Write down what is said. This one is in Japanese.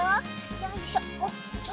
よいしょ。